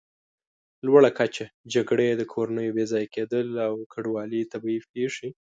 لوړه کچه، جګړې، د کورنیو بېځایه کېدل او کډوالي، طبیعي پېښې